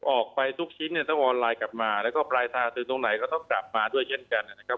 ออกไปทุกชิ้นเนี่ยต้องออนไลน์กลับมาแล้วก็ปลายทางคือตรงไหนก็ต้องกลับมาด้วยเช่นกันนะครับ